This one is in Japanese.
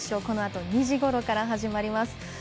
このあと２時ごろから始まります。